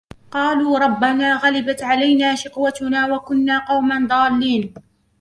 قالوا ربنا غلبت علينا شقوتنا وكنا قوما ضالين